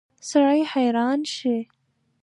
سړی حیران شي.